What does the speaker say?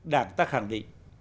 đảng ta khẳng định